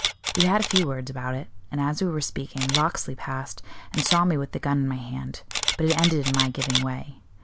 We had a few words about it, and as we were speaking, Locksley passed, and saw me with the gun in my hand; but it ended in my giving way.